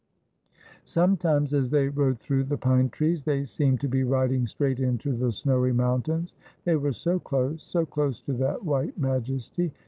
Sometimes, as they rode through the pine trees, they seemed to be riding straight into the snowy mountains ; they were so close, so close to that white majesty.